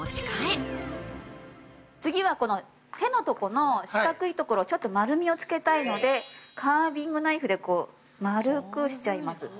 ◆次は手のとこの四角いところちょっと丸みをつけたいので、カービングナイフで、こう丸くしちゃいます。